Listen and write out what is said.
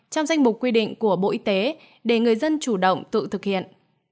trong danh mục quy định của bộ y tế để người dân chủ động tự thực hiện